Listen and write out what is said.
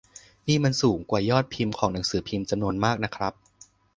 นี่มันสูงกว่ายอดพิมพ์ของหนังสือพิมพ์จำนวนมากนะครับ